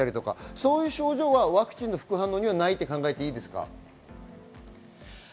そういう症状はワクチンの副反応にはないと考えていいですか？